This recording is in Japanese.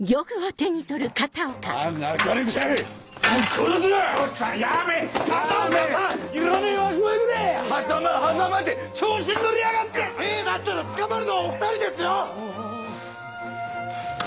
手出したら捕まるのはお２人ですよ！